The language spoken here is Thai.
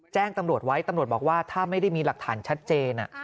แจ้งตำรวจไว้ตำรวจบอกว่าถ้าไม่ได้มีหลักฐานชัดเจน